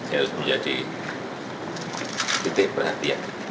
itu menjadi titik perhatian